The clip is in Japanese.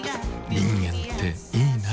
人間っていいナ。